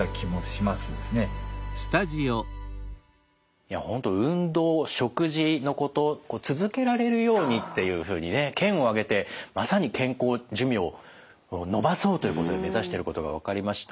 いや本当運動食事のこと続けられるようにっていうふうにね県を挙げてまさに健康寿命延ばそうということを目指してることが分かりました。